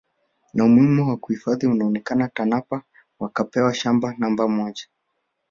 Na umuhimu wa hifadhi ukaonekana Tanapa wakapewa shamba namba moja